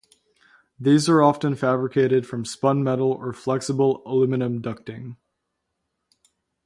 These are often fabricated from spun metal or flexible aluminum ducting.